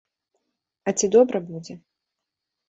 А ці добра будзе?